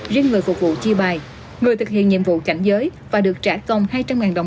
riêng người phục vụ chi bài người thực hiện nhiệm vụ cảnh giới và được trả công hai trăm linh đồng